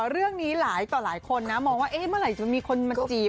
เรื่องนี้หลายต่อหลายคนนะมองว่าเมื่อไหร่จะมีคนมาจีบ